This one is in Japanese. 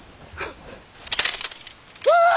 ああ！